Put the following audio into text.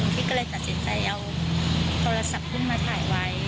พี่ก็เลยตัดสินใจเอาโทรศัพท์ขึ้นมาถ่ายไว้